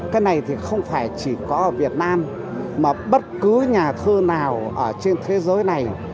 cái này thì không phải chỉ có ở việt nam mà bất cứ nhà thơ nào ở trên thế giới này